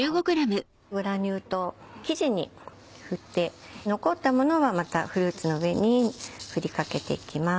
グラニュー糖生地に振って残ったものはまたフルーツの上に振りかけていきます。